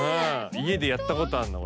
家でやったことあんだこれ。